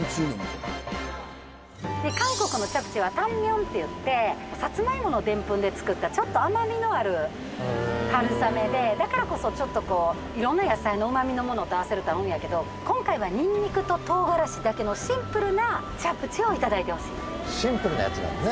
韓国のチャプチェはタンミョンっていってさつま芋のでんぷんで作ったちょっと甘みのある春雨でだからこそちょっとこういろんな野菜のうまみのものと合わせると合うんやけど今回はニンニクと唐辛子だけのシンプルなチャプチェをいただいてほしいねんシンプルなやつなのね？